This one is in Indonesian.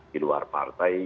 di luar partai